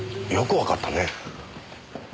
よくわかったね。